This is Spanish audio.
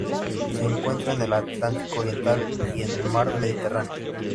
Se encuentra en el Atlántico oriental y en el Mar Mediterráneo.